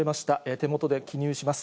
手元で記入します。